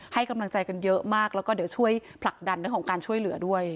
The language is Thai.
ให้กำลังใจกันเยอะมากแล้วก็เดี๋ยวช่วยผลักดันเรื่องของการช่วยเหลือด้วย